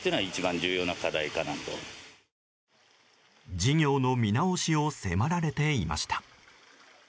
事業の見直しを迫られていました。